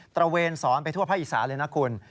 ระเวนสอนไปทั่วภาคอีสานเลยนะคุณ